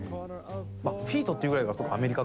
フィートっていうぐらいだからアメリカか。